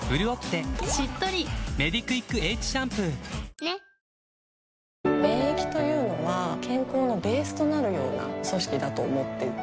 ブイーン！ってついたとして免疫というのは健康のベースとなるような組織だと思っていて。